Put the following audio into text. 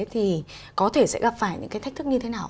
thì có thể sẽ gặp phải những cái thách thức như thế nào